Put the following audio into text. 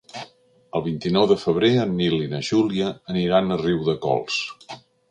El vint-i-nou de febrer en Nil i na Júlia aniran a Riudecols.